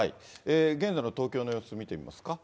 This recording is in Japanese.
現在の東京の様子を見てみますか。